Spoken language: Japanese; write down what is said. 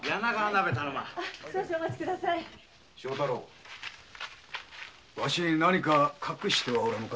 正太郎ワシに何か隠しておらぬか？